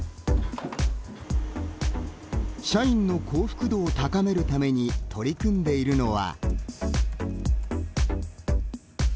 社員の幸福度を高めるために取り組んでいるのは。